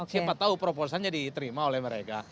siapa tahu proposalnya diterima oleh mereka